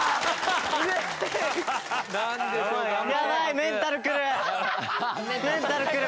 メンタルくる！